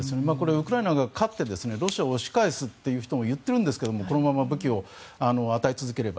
ウクライナが勝ってロシアを押し返すという人もいるんですがこのまま武器を与え続ければ。